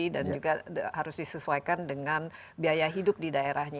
dan juga harus disesuaikan dengan biaya hidup di daerahnya